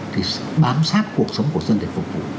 thì bám sát cuộc sống của dân để phục vụ